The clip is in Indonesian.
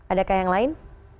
adakah yang lain